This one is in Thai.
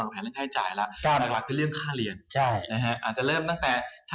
แต่ถ้าเป็นค่าเรียนมหาลัย